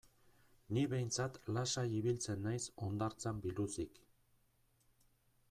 Ni behintzat lasai ibiltzen naiz hondartzan biluzik.